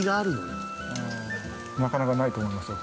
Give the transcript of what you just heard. なかなかないと思いますよ。